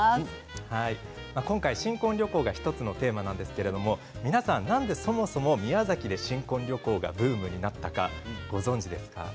今回、新婚旅行が１つのテーマなんですがそもそも、なぜ宮崎で新婚旅行がブームになったかご存じですか？